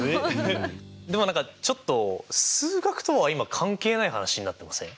でも何かちょっと数学とは今関係ない話になってません？